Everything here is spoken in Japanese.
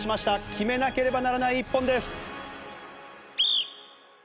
決めなければならない１本です。